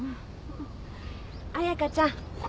・彩佳ちゃん。